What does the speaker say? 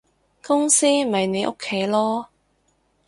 公司咪你屋企囉